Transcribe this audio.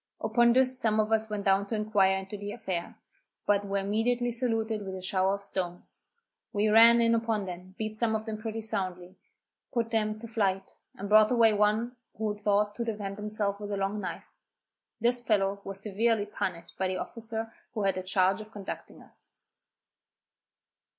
Upon this some of us went down to inquire into the affair, but were immediately saluted with a shower of stones. We ran in upon them, beat some of them pretty soundly, put them to flight, and brought away one who thought to defend himself with a long knife. This fellow was severely punished by the officer who had the charge of conducting us.